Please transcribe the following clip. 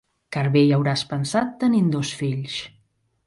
Car bé hi hauràs pensat, tenint dos fills.